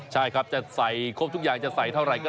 ใช่ครับจะใส่ครบทุกอย่างจะใส่เท่าไหร่ก็